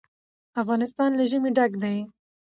افغانستان له ژمی ډک دی.